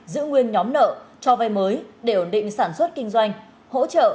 giữ nguyên nhóm nợ cho vay mới để ổn định sản xuất kinh doanh hỗ trợ